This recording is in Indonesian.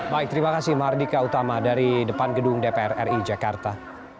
baik terima kasih mardika utama dari depan gedung dpr ri jakarta